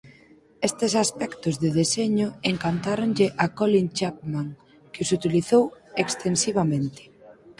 Estes aspectos de deseño encantáronlle a Colin Chapman que os utilizou extensivamente.